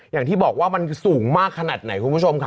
อย่างที่บอกว่ามันสูงมากขนาดไหนคุณผู้ชมครับ